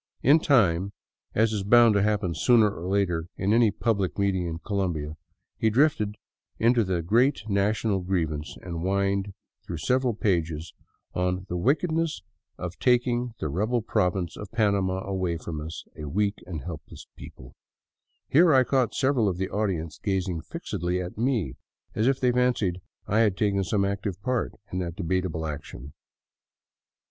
In time, as is bound to happen sooner or later in any public meeting in Colombia, he drifted into the great national grievance and whined through several pages on '' the wickedness of taking the rebel province of Panama away from us, a weak and helpless people "— here I caught several of the audience gazing fixedly at me, as if they fancied I had taken some active part in that debateable action.